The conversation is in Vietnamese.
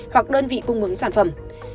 hoặc đơn vị cung ứng sản phẩm